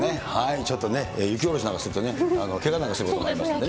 ちょっとね、雪下ろしなんかするとね、けがなんかすることもありますのでね。